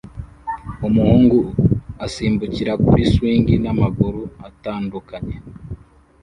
Umuhungu asimbukira kuri swing n'amaguru atandukanye